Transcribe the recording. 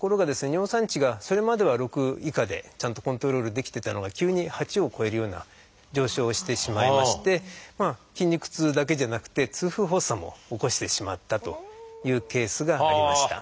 尿酸値がそれまでは６以下でちゃんとコントロールできてたのが急に８を超えるような上昇をしてしまいまして筋肉痛だけじゃなくて痛風発作も起こしてしまったというケースがありました。